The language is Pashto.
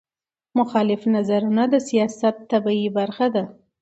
مخالف نظرونه د سیاست طبیعي برخه ده